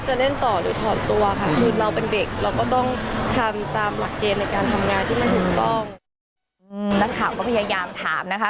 นักข่าวก็พยายามถามนะคะ